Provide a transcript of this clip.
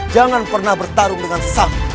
jangan pernah bertarung dengan sam